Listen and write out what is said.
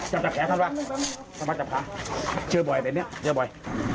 จับแขวนเข้ามาจับขาเชื่อบ่อยแบบนี้เชื่อบ่อย